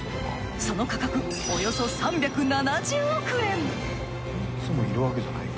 その価格およそ３７０億円。